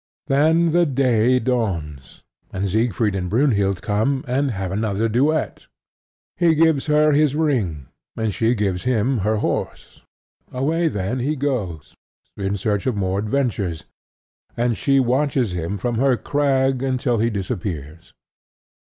Then the day dawns; and Siegfried and Brynhild come, and have another duet. He gives her his ring; and she gives him her horse. Away then he goes in search of more adventures; and she watches him from her crag until he disappears.